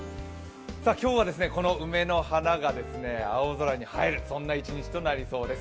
今日はこの梅の花が青空に映える天気となりそうです。